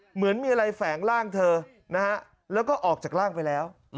เหมือนมีอะไรแฝงร่างเธอนะฮะแล้วก็ออกจากร่างไปแล้ว